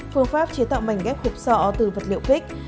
phương pháp chế tạo mảnh ghép hộp sọ từ vật liệu kích